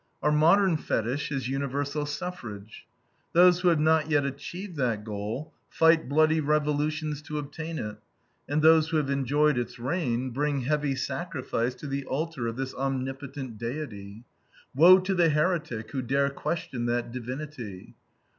Our modern fetich is universal suffrage. Those who have not yet achieved that goal fight bloody revolutions to obtain it, and those who have enjoyed its reign bring heavy sacrifice to the altar of this omnipotent deity. Woe to the heretic who dare question that divinity!